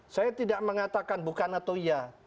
saya tidak mengatakan bukan atau iya